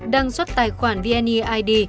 đăng xuất tài khoản vni id